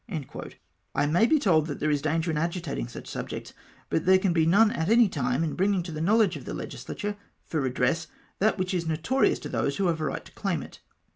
"' I may be told that there is danger in agitating such sub jects ; but there can be none at any time in bringing to the knowledge of the Legislature, for redress, that which is no torious to those who have a right to claim it.